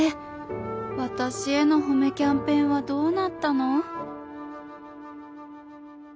私への褒めキャンペーンはどうなったの？